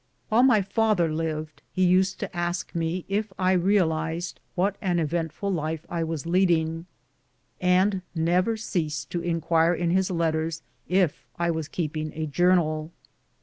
While my father lived, he used to ask me if I real ized wdiat an eventful life I was leading, and never ceased to inquire in his letters if I was keeping a jour nal.